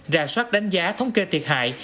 ra soát đánh giá thống kê thiệt hại